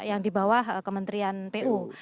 yang di bawah kementerian pu